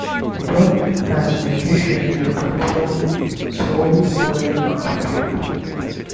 The plot has a magician's helper performing a "sawing a woman in half" trick.